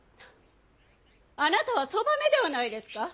あなたはそばめではないですか。